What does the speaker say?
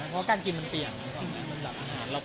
ก็อาจจะมีใช่ครับ